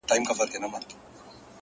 ټوله نــــړۍ راپسي مه ږغوه ـ